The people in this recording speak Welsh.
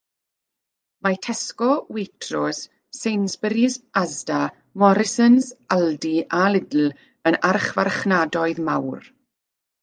Mae Tesco, Waitrose, Sainsburys, Asda, Morrisons, Aldi a Lidl yn archfarchnadoedd mawr.